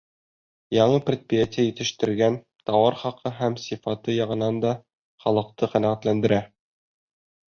Яңы предприятие етештергән тауар хаҡы һәм сифаты яғынан да халыҡты ҡәнәғәтләндерә.